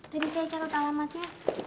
tadi saya carot alamatnya